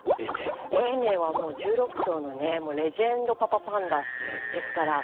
永明は１６頭のレジェンドパパパンダです。